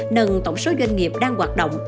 nâng tổng số doanh nghiệp đang hoạt động